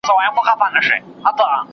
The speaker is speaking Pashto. که څړځایونه وساتو نو مالونه نه وږي کیږي.